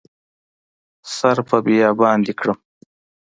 سر په بیابان دې کړم